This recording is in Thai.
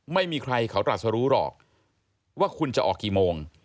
ไม่มีใครเขาตรัสรู้หรอกว่าคุณจะออกกี่โมง